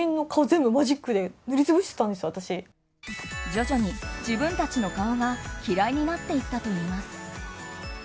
徐々に自分たちの顔が嫌いになっていったといいます。